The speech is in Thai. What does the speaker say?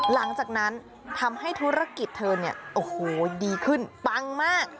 หลังจากนั้นทำให้ธุรกิจเธอเนี่ยโอ้โหดีขึ้นปังมาก